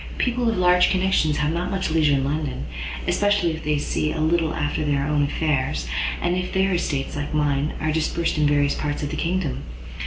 People of large connections have not much leisure in London, especially if they see a little after their own affairs, and if their estates, like mine, are dispersed in various parts of the kingdom.